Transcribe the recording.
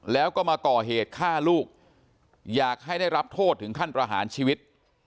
แล้วก็มาก่อเหตุฆ่าลูกอยากให้ได้รับโทษถึงขั้นประหารชีวิต